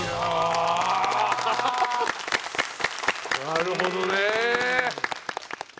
なるほどね！